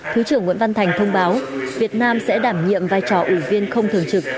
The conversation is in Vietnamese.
thứ trưởng nguyễn văn thành thông báo việt nam sẽ đảm nhiệm vai trò ủy viên không thường trực